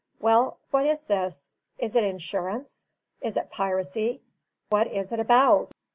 Well, what is this? is it insurance? is it piracy? what is it ABOUT?